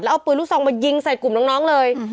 แล้วเอาปืนรุ่นซองมายิงใส่กลุ่มน้องเลย